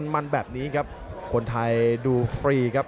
มันแบบนี้ครับคนไทยดูฟรีครับ